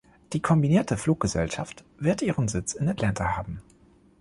Die kombinierte Fluggesellschaft wird ihren Sitz in Atlanta haben.